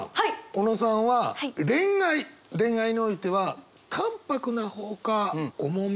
小野さんは恋愛恋愛においては淡泊な方か重め？